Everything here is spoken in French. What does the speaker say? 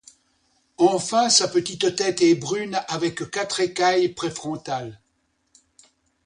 Enfin, sa petite tête est brune avec quatre écailles préfrontales.